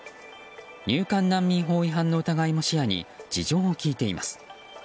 入管難民法違反の疑いも視野に事情を聴いています。